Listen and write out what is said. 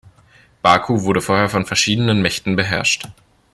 Baku wurde vorher von verschiedenen Mächten beherrscht.